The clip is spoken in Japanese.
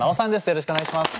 よろしくお願いします。